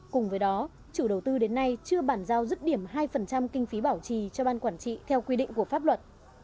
cùng với đó chủ đầu tư đến nay chưa bàn giao dứt điểm hai kinh phí bảo trì cho ban quản trị theo quy định của pháp luật